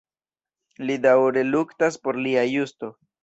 Li daŭre luktas por lia justo.